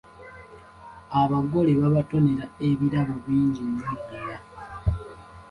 Abagole babatonera ebirabo bingi nnyo ddala.